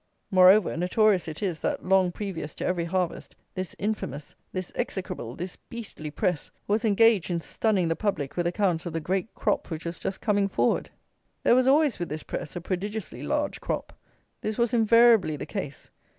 Moreover, notorious it is that, long previous to every harvest, this infamous, this execrable, this beastly press, was engaged in stunning the public with accounts of the great crop which was just coming forward! There was always, with this press, a prodigiously large crop. This was invariably the case.